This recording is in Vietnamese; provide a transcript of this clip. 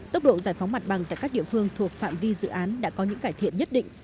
tốc độ giải phóng mặt bằng tại các địa phương thuộc phạm vi dự án đã có những cải thiện nhất định